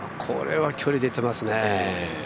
これは距離出ていますね。